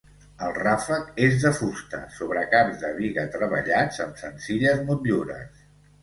El ràfec és de fusta, sobre caps de biga treballats amb senzilles motllures.